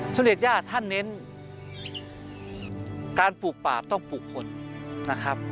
สมเด็จย่าท่านเน้นการปลูกป่าต้องปลูกคนนะครับ